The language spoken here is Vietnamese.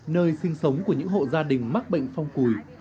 nơi sinh sống của những hộ gia đình mắc bệnh phong cùi